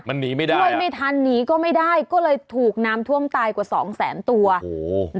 มันหนีไม่ได้ช่วยไม่ทันหนีก็ไม่ได้ก็เลยถูกน้ำท่วมตายกว่าสองแสนตัวโอ้โห